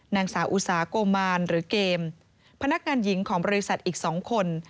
นางสาวอุสาโกมานหรือเกมพนักงานหญิงของบริษัทอีก๒คน